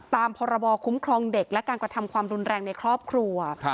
ตามพรบคุ้มครองเด็กและการกระทำความรุนแรงในครอบครัว